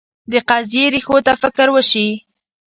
د قضیې ریښو ته فکر وشي.